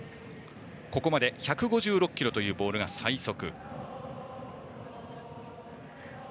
ここまで１５６キロというボールが最速。